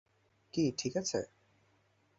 কী ঠিক আছে?